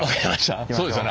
そうですよね。